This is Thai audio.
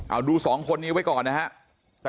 เอาดู๒คนนี้ไว้ก่อนนะครับ